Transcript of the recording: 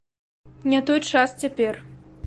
Не той час цяпер!